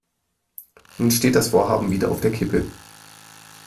Nun steht das Vorhaben wieder auf der Kippe.